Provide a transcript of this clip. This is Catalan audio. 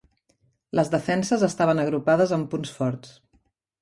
Les defenses estaven agrupades en punts forts.